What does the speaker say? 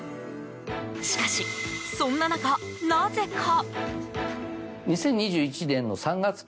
しかし、そんな中、なぜか。